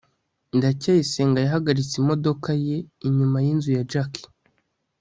ndacyayisenga yahagaritse imodoka ye inyuma yinzu ya jaki